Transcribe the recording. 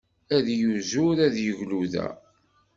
Ad yuzur ad yegluda.